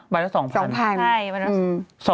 ใบละ๒๐๐๐บาท๒๐๐๐บาท